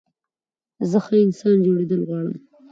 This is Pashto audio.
زه ښه انسان جوړېدل غواړم.